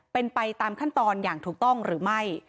เป็นไปตามขั้นตอนอย่างถูกต้องหรือไม่